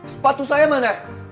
sepatu saya mana